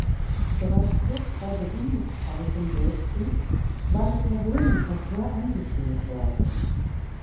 Bereits kurz vor Beginn des Zweiten Weltkriegs war der Personenverkehr eingestellt worden.